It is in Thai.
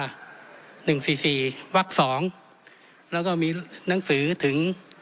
หนึ่งสี่สี่วักสองแล้วก็มีหนังสือถึง